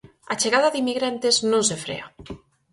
A chegada de inmigrantes non se frea.